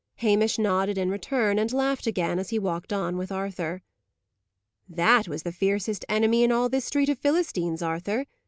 Hamish nodded in return, and laughed again as he walked on with Arthur. "That was the fiercest enemy in all this street of Philistines, Arthur.